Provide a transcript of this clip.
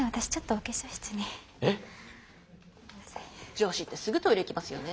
女子ってすぐトイレ行きますよね。